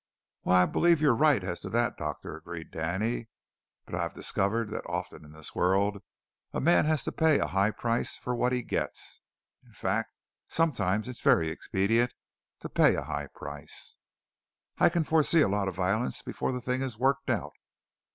"Why, I believe you're right as to that, Doctor," agreed Danny, "but I've discovered that often in this world a man has to pay a high price for what he gets. In fact, sometimes it's very expedient to pay a high price." "I can foresee a lot of violence before the thing is worked out."